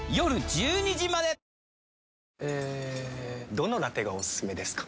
どのラテがおすすめですか？